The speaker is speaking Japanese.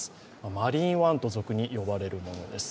マリーンワンと俗に言われるものです。